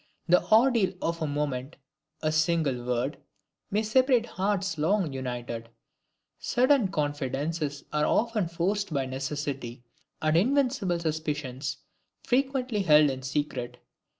The ordeal of a moment, a single word, may separate hearts long united; sudden confidences are often forced by necessity, and invincible suspicions frequently held in secret.